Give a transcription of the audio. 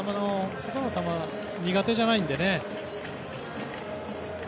外の球は苦手じゃないのでね。